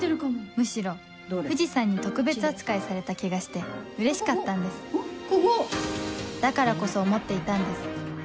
むしろ藤さんに特別扱いされた気がしてうれしかったんですだからこそ思っていたんです